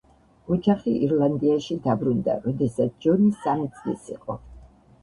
ოჯახი ირლანდიაში დაბრუნდა, როდესაც ჯონი სამი წლის იყო.